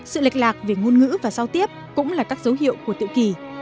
sự lệch lạc về ngôn ngữ và giao tiếp cũng là các dấu hiệu của tự kỷ